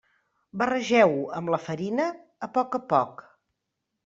Barregeu-ho amb la farina a poc a poc.